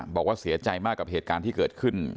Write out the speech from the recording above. บอกว่าเสียใจมากกับเหตุการณ์ที่เกิดขึ้น